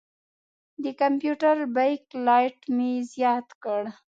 د کمپیوټر بیک لایټ مې زیات کړ.